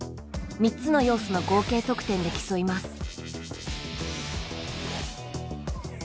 ３つの要素の合計得点で競います。